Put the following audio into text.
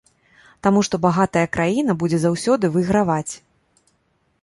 Таму што багатая краіна будзе заўсёды выйграваць.